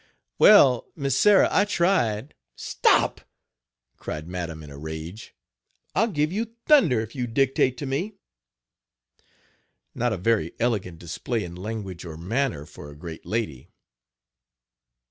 "Well, Mis Sarh, I tried." "Stop!" cried Madam in a rage, "I'll give you thunder if you dictate to me." Not a very elegant display in language or manner for a great lady!